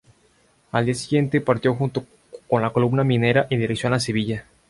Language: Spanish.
Al día siguiente partió junto con la Columna minera en dirección a Sevilla.